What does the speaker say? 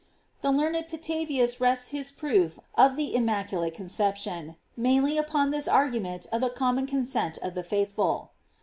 The learned Petavius rests his proof of the immaculate con ception mainly upon this argument of the com mon consent of the faithful.